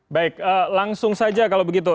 baik langsung saja kalau begitu